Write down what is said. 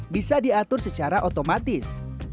bisa diatur secara otomatis